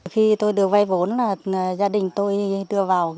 khi tôi được vay vốn là gia đình tôi đưa vào